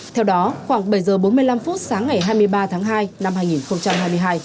theo đó khoảng bảy h bốn mươi năm phút sáng ngày hai mươi ba tháng hai năm hai nghìn hai mươi hai